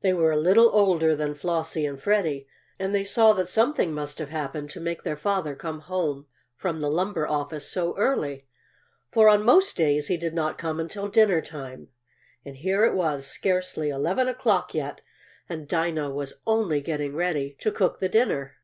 They were a little older than Flossie and Freddie, and they saw that something must have happened to make their father come home from the lumber office so early, for on most days he did not come until dinner time. And here it was scarcely eleven o'clock yet, and Dinah was only getting ready to cook the dinner.